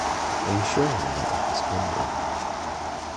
Are you sure you're not overspending?